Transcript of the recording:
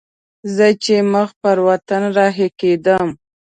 زه چې مخ پر وطن رهي کېدم.